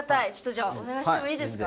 じゃあお願いしてもいいですか？